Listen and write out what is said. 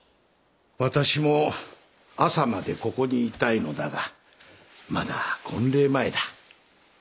私も朝までここにいたいのだがまだ婚礼前だ。